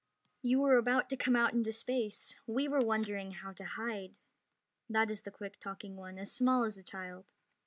"You were about to come out into space. We were wondering how to hide!" That is a quick talking one, as small as a child.